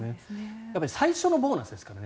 やっぱり最初のボーナスですからね。